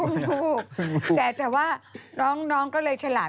ลูกแต่ว่าน้องก็เลยฉลาด